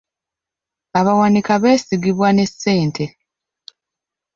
Abawanika beesigibwa ne ssente.